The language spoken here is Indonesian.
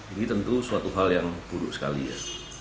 ini tentu suatu hal yang buruk sekali ya